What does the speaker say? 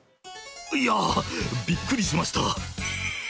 いやびっくりしました。